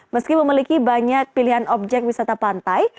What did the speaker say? meski memiliki banyak pilihan objek wisata pantai